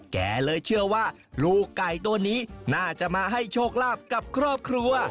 แกเลยเชื่อว่าลูกไก่ตัวนี้น่าจะมาให้โชคลาภกับครอบครัว